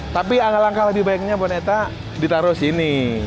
tapi angka langkah lebih baiknya buat neta ditaruh sini